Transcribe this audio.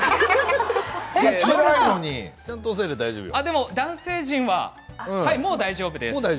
でも男性陣はもう大丈夫です。